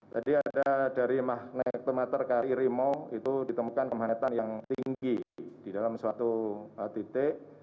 tadi ada dari mahnektomater kri rimau itu ditemukan kemahnetan yang tinggi di dalam suatu titik